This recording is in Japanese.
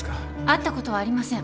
会ったことはありません。